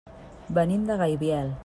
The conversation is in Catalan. Venim de Gaibiel.